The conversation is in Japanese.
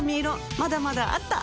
まだまだあった！